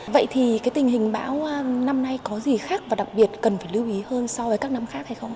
vậy thì cái tình hình bão năm nay có gì khác và đặc biệt cần phải lưu ý hơn so với các năm khác